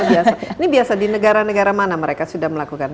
biasa ini biasa di negara negara mana mereka sudah melakukan